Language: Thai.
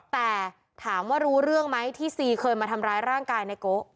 แต่ถามว่ารู้เรื่องไหมที่ซีเคยมาทำร้ายร่างกายในโกะ